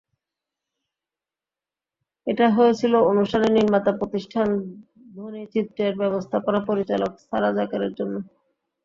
এটা হয়েছিল অনুষ্ঠানের নির্মাতা প্রতিষ্ঠান ধ্বনিচিত্রের ব্যবস্থাপনা পরিচালক সারা যাকেরের জন্য।